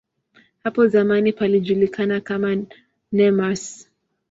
Hapo zamani palijulikana kama "Nemours".